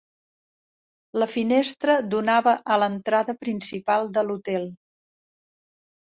La finestra donava a l'entrada principal de l'hotel.